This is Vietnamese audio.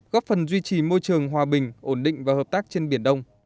góp phần duy trì môi trường hòa bình ổn định và hợp tác trên biển đông